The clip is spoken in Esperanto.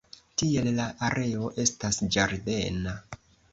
Tiel la areo estas ĝardena.